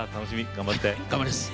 頑張ります。